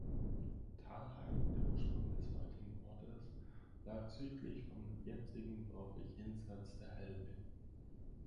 Thalheim, der Ursprung des heutigen Ortes, lag südlich vom jetzigen Dorfe jenseits der Helbe.